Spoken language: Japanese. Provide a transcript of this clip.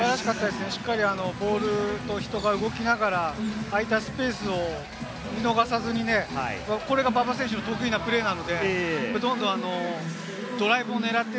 しっかりボールと人が動きながら、空いたスペースを見逃さずに、これが馬場選手の得意なプレーなので、どんどんドライブを狙って。